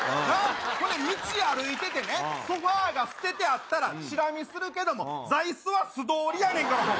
それで道歩いててね、ソファが捨ててあったら、ちら見するけれども、座いすは素通りやねんから、もう。